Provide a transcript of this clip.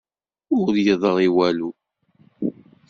Ur yeḍṛi walu.